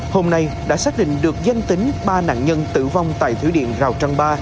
hôm nay đã xác định được danh tính ba nạn nhân tử vong tại thủy điện rào trăng ba